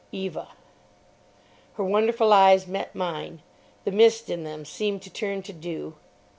"Eva." Her wonderful eyes met mine. The mist in them seemed to turn to dew.